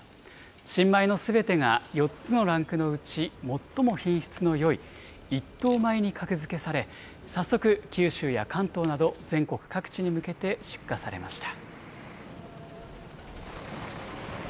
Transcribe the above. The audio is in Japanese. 新米のすべてが４つのランクのうち最も品質のよい１等米に格付けされ、早速、九州や関東など全国各地に向けて出荷されました。